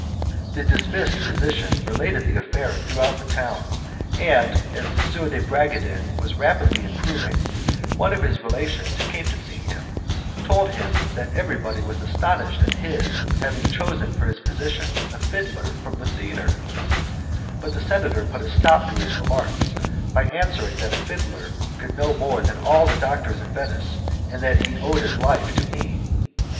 The dismissed physician related the affair through the town, and, as M. de Bragadin was rapidly improving, one of his relations, who came to see him, told him that everybody was astonished at his having chosen for his physician a fiddler from the theatre; but the senator put a stop to his remarks by answering that a fiddler could know more than all the doctors in Venice, and that he owed his life to me.